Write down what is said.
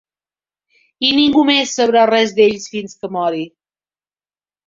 I ningú més sabrà res d'ells fins que mori.